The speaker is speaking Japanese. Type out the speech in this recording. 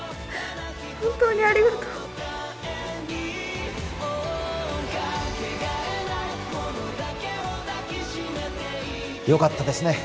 本当にありがとうよかったですね